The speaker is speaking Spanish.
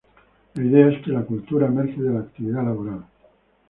La idea es que la cultura emerge de la actividad laboral.